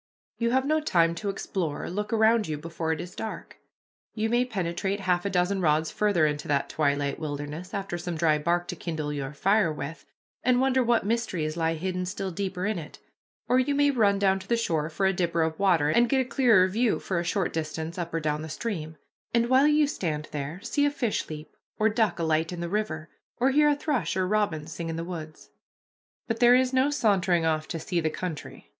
You have no time to explore or look around you before it is dark. You may penetrate half a dozen rods farther into that twilight wilderness after some dry bark to kindle your fire with, and wonder what mysteries lie hidden still deeper in it, or you may run down to the shore for a dipper of water, and get a clearer view for a short distance up or down the stream, and while you stand there, see a fish leap, or duck alight in the river, or hear a thrush or robin sing in the woods. But there is no sauntering off to see the country.